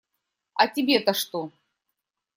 А тебе-то что?